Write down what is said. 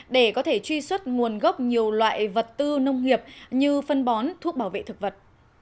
để có thể truy xuất nguồn gốc nhiều loại vật tư nông nghiệp như phân bón thuốc bảo vệ thực vật